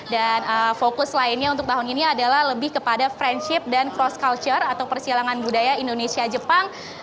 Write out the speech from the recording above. dan fokus lainnya untuk tahun ini adalah lebih kepada friendship dan cross culture atau persilangan budaya indonesia jepang